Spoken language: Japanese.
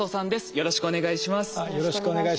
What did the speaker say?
よろしくお願いします。